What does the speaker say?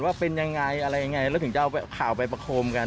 ว่าเป็นยังไงอะไรยังไงแล้วถึงจะเอาข่าวไปประโคมกัน